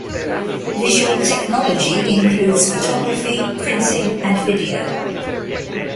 Visual technology includes photography, printing, and video.